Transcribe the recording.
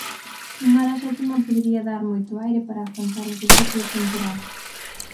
Sumar a sétima podería dar moito aire para afrontar o que queda de temporada.